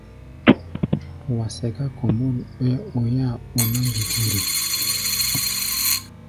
Wa sɛká kombôn, ɓɛɛ́ oi-áa ɓɔná ŋgitiri.